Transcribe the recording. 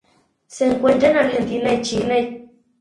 Se encuentra en Argentina y Chile.